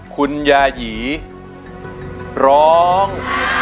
คุณยายีร้อง